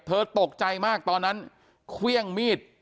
ตกใจมากตอนนั้นเครื่องมีด